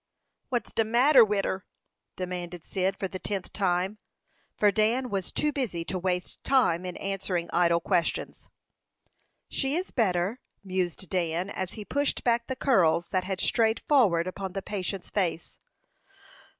"What's de matter wid her?" demanded Cyd for the tenth time, for Dan was too busy to waste time in answering idle questions. "She is better," mused Dan, as he pushed back the curls that had strayed forward upon the patient's face.